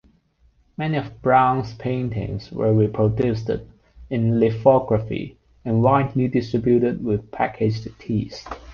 Many of Brown's paintings were reproduced in lithography and widely distributed with packaged teas.